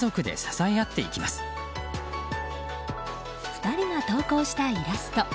２人が投稿したイラスト。